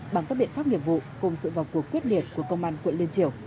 bằng phát biện pháp nghiệp vụ cùng sự vào cuộc quyết liệt của công an quận điên triểu